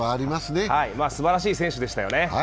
すばらしい選手でしたよね。